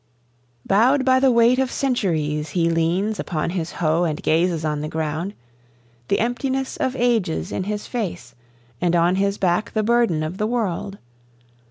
Bowed by the weight of centuries he leans Upon his hoe and gazes on the ground, The emptiness of ages in his face, And on his back the burden of the world.